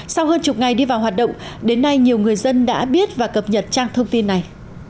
sau hơn chục ngày đi vào hoạt động đến nay nhiều người dân đã biết và cập nhật trang thông tin này